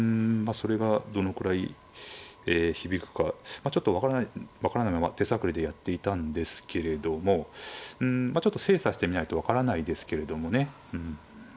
あそれがどのくらい響くかちょっと分からないまま手探りでやっていたんですけれどもうんまあちょっと精査してみないと分からないですけれどもね。